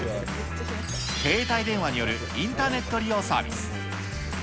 携帯電話によるインターネット利用サービス。